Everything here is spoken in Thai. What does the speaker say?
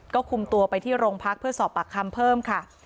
ก็คุมตัวไปที่โรงพักเพื่อสอบปากคำเพิ่มค่ะ